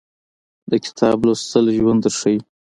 د کتاب لوستل ژوند درښایي